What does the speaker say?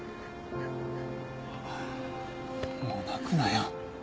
もう泣くなよ。